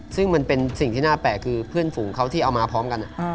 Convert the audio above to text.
ซึ่งมันเป็นสิ่งที่น่าแปลกคือเพื่อนฝูงเขาที่เอามาพร้อมกัน